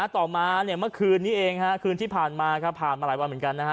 ต่อมาเนี่ยเมื่อคืนนี้เองคืนที่ผ่านมาครับผ่านมาหลายวันเหมือนกันนะฮะ